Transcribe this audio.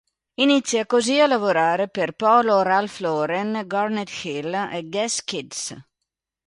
Inizia così a lavorare per "Polo Ralph Lauren", "Garnet Hill" e "Guess Kids".